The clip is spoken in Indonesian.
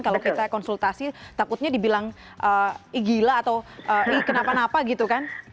kalau kita konsultasi takutnya dibilang gila atau kenapa napa gitu kan